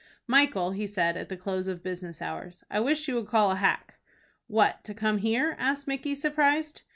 "Michael," he said, at the close of business hours, "I wish you would call a hack." "What, to come here?" asked Micky, surprised.